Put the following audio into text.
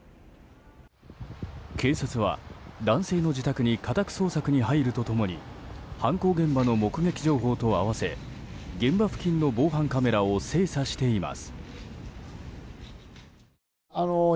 警察は男性の自宅に家宅捜索に入ると共に犯行現場の目撃情報と合わせ現場付近の防犯カメラを精査しています。